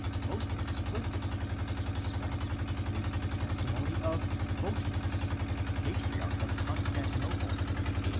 Most explicit in this respect is the testimony of Photius, patriarch of Constantino ple, A.